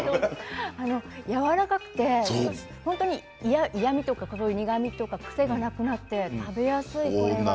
やわらかくて本当に嫌みとか苦みとか癖がなくなって食べやすい。